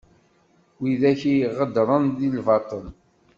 Widak i ɣedṛen di lbatel.